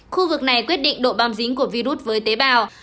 khu vực này quyết định độ băm dính của virus với tế bào